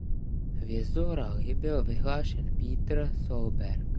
Hvězdou rally byl vyhlášen Petter Solberg.